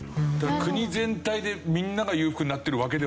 国全体でみんなが裕福になってるわけではない。